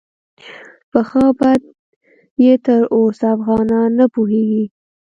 په ښه او بد یې تر اوسه افغانان نه پوهیږي.